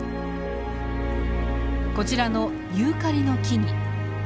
こちらのユーカリの木々。